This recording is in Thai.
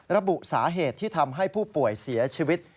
ระบุสาเหตุที่ทำให้ผู้ป่วยเสียชีวิต